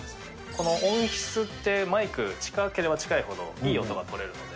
この音質って、マイク近ければ近いほどいい音が録れるので。